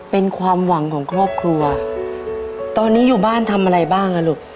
เป็นความหวังของครอบครัวตอนนี้อยู่บ้านทำอะไรบ้างอ่ะลูก